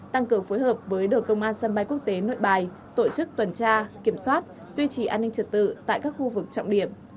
tăng cường phối hợp với đội công an sân bay quốc tế nội bài tổ chức tuần tra kiểm soát duy trì an ninh trật tự tại các khu vực trọng điểm